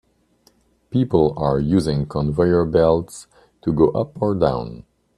People are using conveyor belts to go up or down.